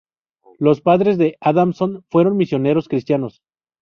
Los padres de Adamson fueron misioneros cristianos.